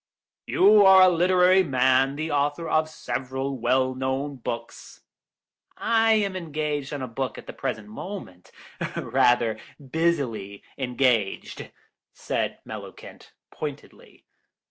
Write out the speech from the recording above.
"You are a literary man, the author of several well known books—" "I am engaged on a book at the present moment—rather busily engaged," said Mellowkent, pointedly.